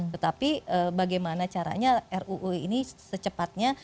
tetapi bagaimana caranya ruu ini secepatnya